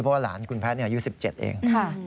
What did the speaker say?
เพราะว่าหลานคุณแพทย์อายุ๑๗เอง